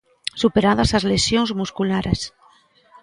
Superadas as lesións musculares.